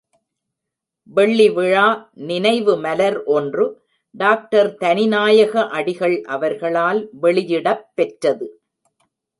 வெள்ளிவிழா நினைவு மலர் ஒன்று டாக்டர் தனிநாயக அடிகள் அவர்களால் வெளியிடப்பெற்றது.